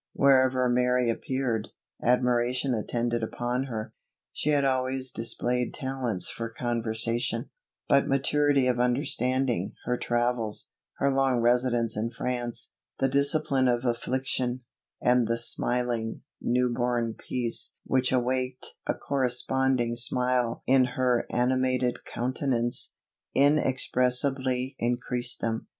Wherever Mary appeared, admiration attended upon her. She had always displayed talents for conversation; but maturity of understanding, her travels, her long residence in France, the discipline of affliction, and the smiling, new born peace which awaked a corresponding smile in her animated countenance, inexpressibly increased them.